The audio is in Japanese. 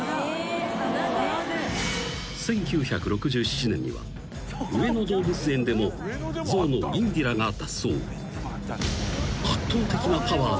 ［１９６７年には上野動物園でも象のインディラが脱走］